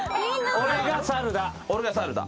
俺が猿だ。